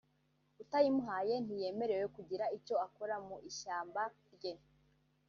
utayimuhaye ntiyemerewe kugira icyo akora ku ishyamba rye